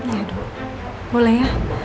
ya dok boleh ya